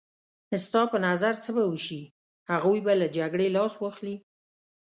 ستا په نظر څه به وشي؟ هغوی به له جګړې لاس واخلي.